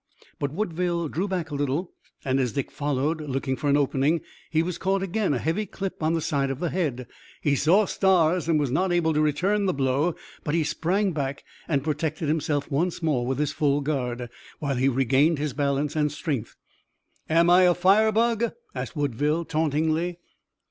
But Woodville drew back a little, and as Dick followed, looking for an opening he was caught again a heavy clip on the side of the head. He saw stars and was not able to return the blow, but he sprang back and protected himself once more with his full guard, while he regained his balance and strength. "Am I a firebug?" asked Woodville tauntingly.